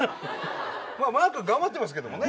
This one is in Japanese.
マー君頑張ってますけどもね。